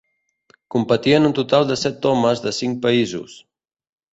Competien un total de set homes de cinc països.